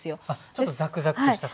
ちょっとザクザクとした感じですか。